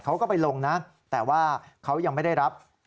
เขาก็ไปลงนะแต่ว่าเขายังไม่ได้รับ